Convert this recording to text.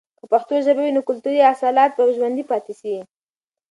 که پښتو ژبه وي، نو کلتوري اصالت به ژوندي پاتې سي.